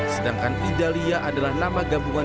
sedangkan idalia adalah nama gabungan